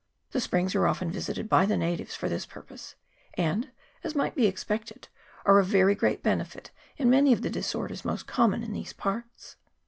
The springs are often visited by the natives for this purpose, and, as might be expected, are of very great benefit in many of the disorders most common in these parts.